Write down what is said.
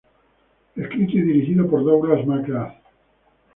Escrito y dirigido por Douglas McGrath.